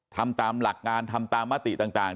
ทำตามหลักงานทำตามมติต่าง